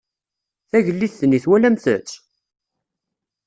Tagellidt-nni twalamt-tt?